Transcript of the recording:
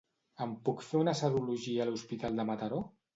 Em puc fer una serologia a l'hospital de Mataró?